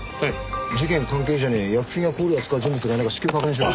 事件関係者に薬品や香料を扱う人物がいないか至急確認しろ。